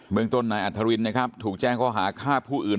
เมืองต้นนายอัธรินนะครับถูกแจ้งข้อหาฆ่าผู้อื่น